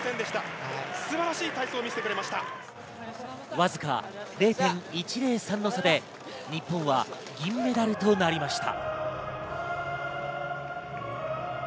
わずか０．１０３の差で日本は銀メダルとなりました。